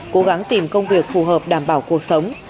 cố gắng tìm công việc phù hợp đảm bảo cuộc sống